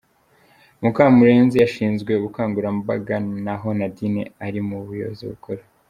Mukamurenzi ashinzwe ubukangurambaga, naho Nadine ari mu buyobozi bukuru !